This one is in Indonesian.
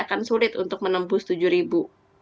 jadi akan sulit untuk menembus tujuh ribu